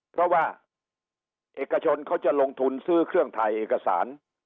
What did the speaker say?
เพราะว่าเอกชนเขาจะลงทุนซื้อเครื่องถ่ายเอกสาร